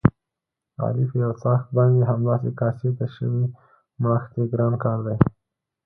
علي په یوڅآښت باندې همداسې کاسې تشوي، مړښت یې ګران کار دی.